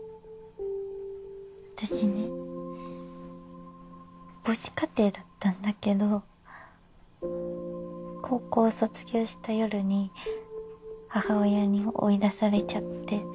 私ね母子家庭だったんだけど高校卒業した夜に母親に追い出されちゃって。